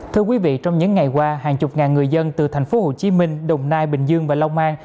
thưa quý vị trong những ngày qua hàng chục ngàn người dân từ thành phố hồ chí minh đồng nai bình dương và long an